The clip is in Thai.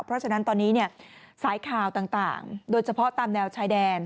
เพราะฉะนั้นตอนนี้สายข่าวต่างโดยเฉพาะตามแนวชายแดน